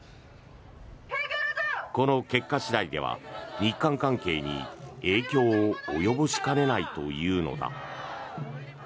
この結果次第では日韓関係に影響を及ぼしかねないというのだ。